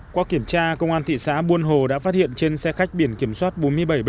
qua kiểm tra công an thị xã buôn hồ đã phát hiện trên xe khách biển kiểm soát bốn mươi bảy b hai nghìn bốn